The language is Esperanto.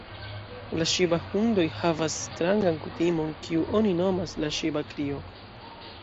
La ŝiba-hundoj havas strangan kutimon, kiu oni nomas la ŝiba-krio.